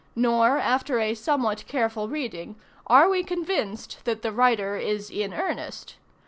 Nor, after a somewhat careful reading, are we convinced that the writer is in earnest.